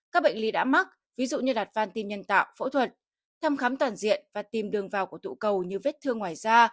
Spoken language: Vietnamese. các bệnh lý đã mắc ví dụ như đặt van tim nhân tạo phẫu thuật thăm khám toàn diện và tìm đường vào của tụ cầu như vết thương ngoài da